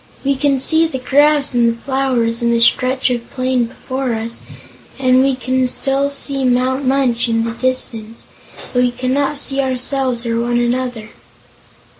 We can see the grass, and the flowers, and the stretch of plain before us, and we can still see Mount Munch in the distance; but we cannot see ourselves or one another."